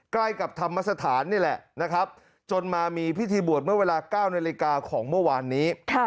ใกล้กับธรรมสถานนี่แหละนะครับจนมามีพิธีบวชเมื่อเวลา๙นาฬิกาของเมื่อวานนี้